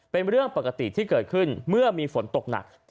เป็นเรื่องปกติที่เกิดขึ้นเมื่อมีฝนตกหนัก